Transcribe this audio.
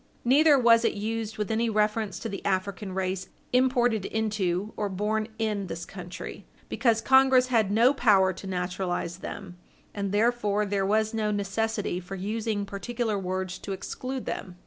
Neither was it used with any reference to the African race imported into or born in this country; because Congress had no power to naturalize them, and therefore there was no necessity for using particular words to exclude them.